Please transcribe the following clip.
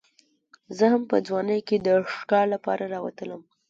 زه هم په ځوانۍ کې د ښکار لپاره راتلم.